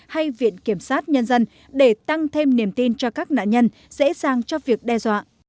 hay viện kiểm sát nhân dân để tăng thêm niềm tin cho các nạn nhân dễ dàng cho việc đe dọa